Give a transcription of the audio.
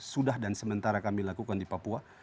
sudah dan sementara kami lakukan di papua